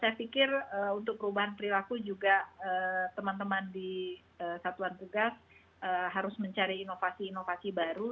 saya pikir untuk perubahan perilaku juga teman teman di satuan tugas harus mencari inovasi inovasi baru